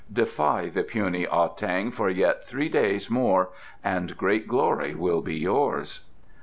Defy the puny Ah tang for yet three days more and great glory will be yours."